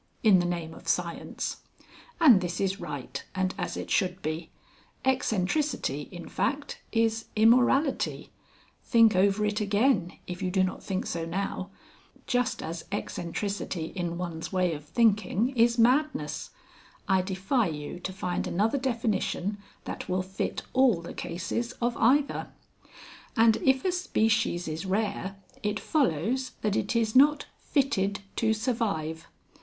In the name of Science. And this is right and as it should be; eccentricity, in fact, is immorality think over it again if you do not think so now just as eccentricity in one's way of thinking is madness (I defy you to find another definition that will fit all the cases of either); and if a species is rare it follows that it is not Fitted to Survive.